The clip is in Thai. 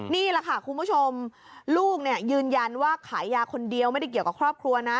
นี่แหละค่ะคุณผู้ชมลูกยืนยันว่าขายยาคนเดียวไม่ได้เกี่ยวกับครอบครัวนะ